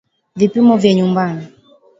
Vipimo vya nyumbani